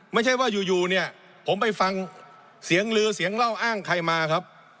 ไม่ใช่ว่าอยู่เนี่ยผมไปฟังเสียงลือเสียงเล่าอ้างใครมาครับ